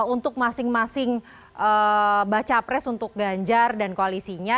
untuk masing masing baca pres untuk ganjar dan koalisinya